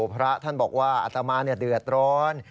พระท่านบอกว่าอัตมาเดือดร้อน